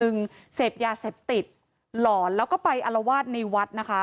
เสพยาเสพติดหลอนแล้วก็ไปอลวาดในวัดนะคะ